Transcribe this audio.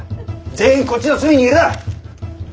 全員こっちの隅にいろ。